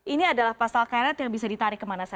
ini adalah pasal karet yang bisa ditarik kemana saja